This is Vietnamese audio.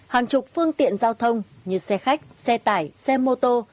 hàng chục phương tiện giao thông như xe khách xe tải xe mô tô